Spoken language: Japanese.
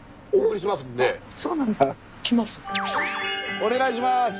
お願いします。